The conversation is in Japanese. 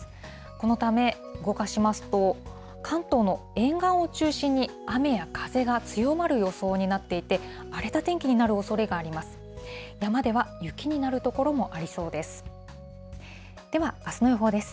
このため動かしますと、関東の沿岸を中心に雨や風が強まる予想になっていて、荒れた天気になるおそれがあります。